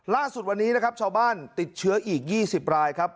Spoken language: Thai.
ล่าสุดวันนี้นะครับชาวบ้านติดเชื้ออีก๒๐รายครับ